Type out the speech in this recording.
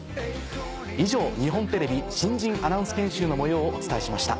以上日本テレビ新人アナウンス研修の模様をお伝えしました。